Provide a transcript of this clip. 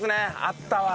あったわ。